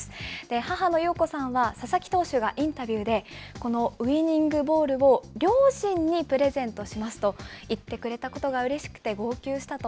母の陽子さんは、佐々木投手がインタビューで、このウイニングボールを、両親にプレゼントしますと言ってくれたことがうれしくて号泣したと。